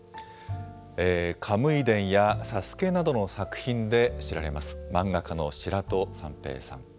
カムイ伝やサスケなどの作品で知られます、漫画家の白土三平さん。